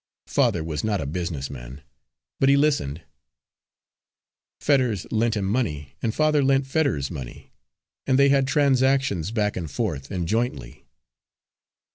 Father was not a business man, but he listened. Fetters lent him money, and father lent Fetters money, and they had transactions back and forth, and jointly.